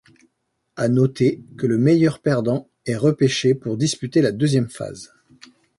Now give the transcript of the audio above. À noter que le meilleur perdant est repêché pour disputer la deuxième phase.